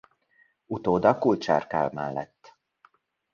Utóda Kulcsár Kálmán lett.